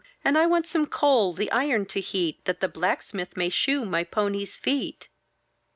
And I want some coal the iron to heat, That the blacksmith may shoe my pony's feet."